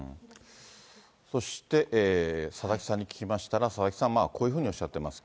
そして、佐々木さんに聞きましたら、佐々木さん、こういうふうにおっしゃってます。